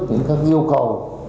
những các yêu cầu